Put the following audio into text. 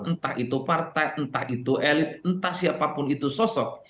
entah itu partai entah itu elit entah siapapun itu sosok